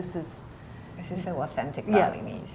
ini adalah kisah yang benar